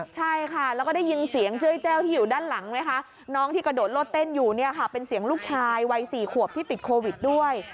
ใช่ค่ะแล้วก็ได้ยินเสียงเจ้ยแจ้วที่อยู่ด้านหลังไหมคะน้องที่กระโดดโลดเต้นอยู่เนี่ยค่ะเป็นเสียงลูกชายวัย๔ขวบที่ติดโควิดด้วย